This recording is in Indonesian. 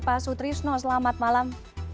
pak sutrisno selamat malam